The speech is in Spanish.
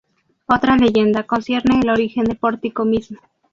Otra leyenda concierne el origen del pórtico mismo.